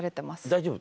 大丈夫？